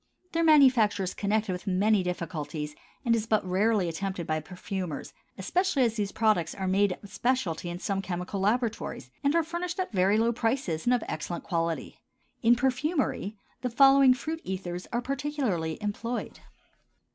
Their manufacture is connected with many difficulties and is but rarely attempted by perfumers, especially as these products are made a specialty in some chemical laboratories and are furnished at very low prices and of excellent quality. In perfumery the following fruit ethers are particularly employed.